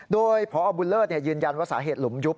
โดยพอบุญเลิศยืนยันว่าสาเหตุหลุมยุบ